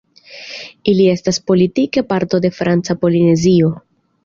Ili estas politike parto de Franca Polinezio.